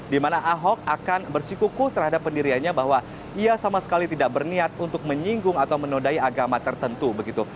dimana ahok akan bersikuku terhadap pendiriannya bahwa ia sama sekali tidak berniat untuk menyinggung atau menodai agama tertentu begitu